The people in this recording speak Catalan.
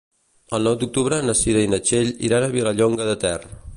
El nou d'octubre na Cira i na Txell iran a Vilallonga de Ter.